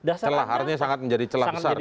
kelah artinya sangat menjadi celah besar